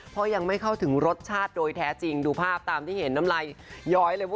เพราะยังไม่เข้าถึงรสชาติโดยแท้จริงดูภาพตามที่เห็นน้ำลายย้อยเลย